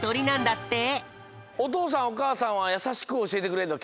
おとうさんおかあさんはやさしくおしえてくれるの？